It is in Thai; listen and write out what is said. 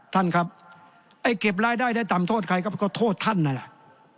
ท่านครับไอ้เก็บรายได้ได้ต่ำโทษใครก็โทษท่านนั่นแหละ